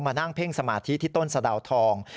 นั่งเพ่งสมาธิที่ต้นสะดาวทอง